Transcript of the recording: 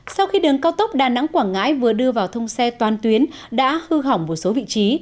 sau khi đường cao tốc đà nẵng quảng ngãi vừa đưa vào thông xe toàn tuyến đã hư hỏng một số vị trí